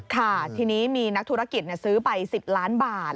ค่ะทีนี้มีนักธุรกิจซื้อไป๑๐ล้านบาท